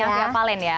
yang via fallen ya